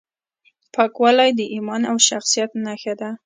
پاکوالی د ایمان او شخصیت نښه ده.